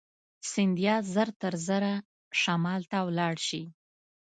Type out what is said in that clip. سیندهیا ژر تر ژره شمال ته ولاړ شي.